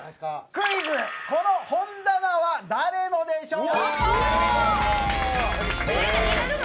「クイズこの本棚は誰でしょう？」。